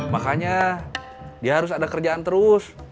makanya dia harus ada kerjaan terus